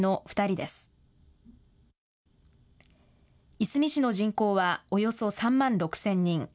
いすみ市の人口はおよそ３万６０００人。